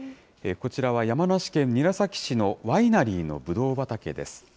こちらは山梨県韮崎市のワイナリーのぶどう畑です。